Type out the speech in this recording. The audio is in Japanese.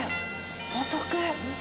お得。